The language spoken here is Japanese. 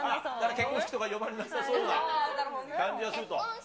結婚式とか呼ばれなさそうな感じがすると。